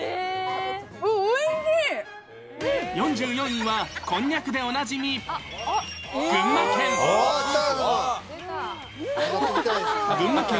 ４４位はこんにゃくでおなじみ、群馬県。